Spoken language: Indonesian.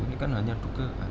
ini kan hanya duga kan